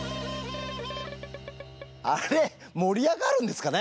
あれ盛り上がるんですかね？